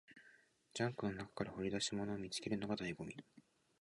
ジャンクの中から掘り出し物を見つけるのが醍醐味